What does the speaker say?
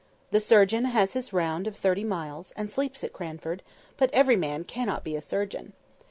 The surgeon has his round of thirty miles, and sleeps at Cranford; but every man cannot be a surgeon.